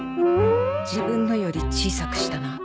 自分のより小さくしたな。